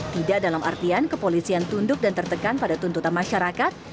tidak dalam artian kepolisian tunduk dan tertekan pada tuntutan masyarakat